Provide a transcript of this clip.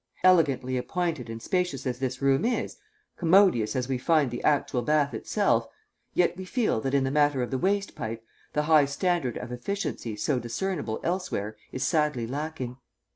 Elegantly appointed and spacious as this room is, commodious as we find the actual bath itself, yet we feel that in the matter of the waste pipe the high standard of efficiency so discernible elsewhere is sadly lacking.